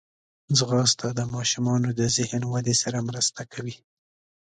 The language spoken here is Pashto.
ځغاسته د ماشومانو د ذهن ودې سره مرسته کوي